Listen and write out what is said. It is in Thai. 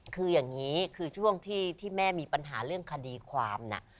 คืออย่างนี้คือช่วงที่แม่มีปัญหาเรื่องคดีความน่ะ